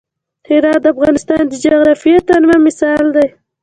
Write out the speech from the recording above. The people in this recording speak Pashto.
هرات د افغانستان د جغرافیوي تنوع مثال دی.